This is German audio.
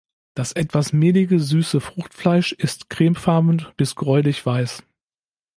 Das etwas mehlige süße Fruchtfleisch ist cremefarben bis gräulich weiß.